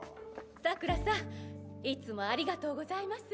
佐倉さんいつもありがとうございます。